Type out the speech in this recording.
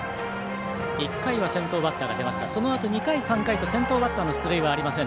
１回は先頭バッターが出ましたがそのあと２回、３回と先頭バッターの出塁はありません